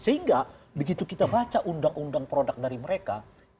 sehingga begitu kita baca undang undang produk dari mereka